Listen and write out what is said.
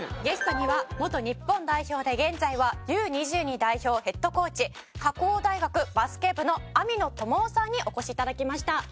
ゲストには元日本代表で現在はＵ２２代表ヘッドコーチ白大学バスケ部の網野友雄さんにお越し頂きました。